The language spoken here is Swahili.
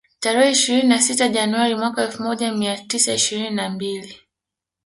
Tarehe ishirini na sita Januari mwaka elfu moja mia tisa ishirini na mbili